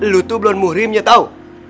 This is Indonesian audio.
lo tuh belon muhrimnya tau